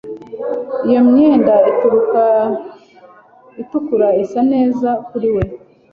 Iyo myenda itukura isa neza kuri we